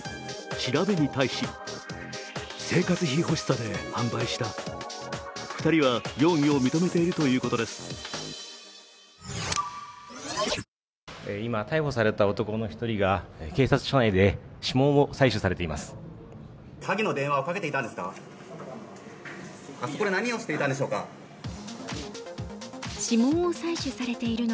調べに対し今、逮捕された男の１人が警察署内で、指紋を採取されています。